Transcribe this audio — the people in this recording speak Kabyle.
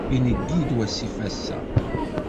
Ingi-d wasif ass-a.